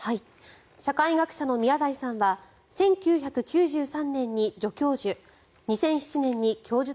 社会学者の宮台さんは１９９３年に助教授